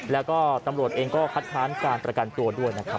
แล้วก็ตำรวจเองก็คัดค้านการประกันตัวด้วยนะครับ